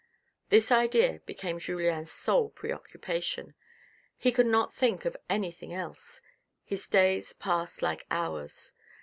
This idea became Julien's sole preoccupation. He could not think of anything else. His days passed like hours.